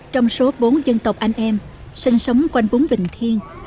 trong số bốn dân tộc anh em sinh sống quanh bún bình thiên